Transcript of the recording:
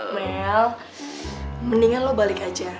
mel mendingan lo balik aja